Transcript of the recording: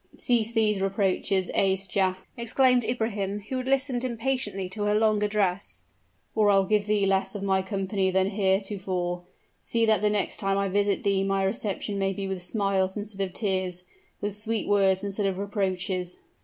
"Cease these reproaches, Aischa," exclaimed Ibrahim, who had listened impatiently to her long address, "or I will give thee less of my company than heretofore. See that the next time I visit thee my reception may be with smiles instead of tears with sweet words instead of reproaches."